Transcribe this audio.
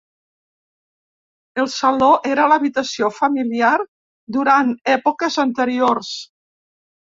El saló era l'habitació familiar durant èpoques anteriors.